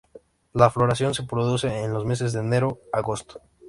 La floración se producen en los meses de enero–agosto.